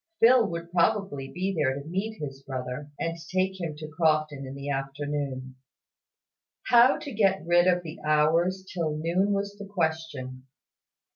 Phil would probably be there to meet his brother, and take him to Crofton in the afternoon. How to get rid of the hours till noon was the question.